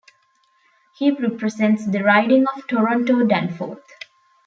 He represents the riding of Toronto-Danforth.